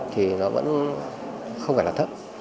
thì nó vẫn không phải là thấp